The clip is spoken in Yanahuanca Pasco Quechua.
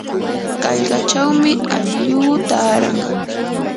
qallqachawmi aylluu taaran.